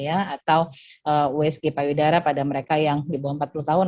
atau wsky payudara pada mereka yang di bawah empat puluh tahun